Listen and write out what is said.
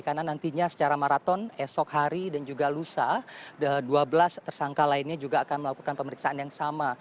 karena nantinya secara maraton esok hari dan juga lusa dua belas tersangka lainnya juga akan melakukan pemeriksaan yang sama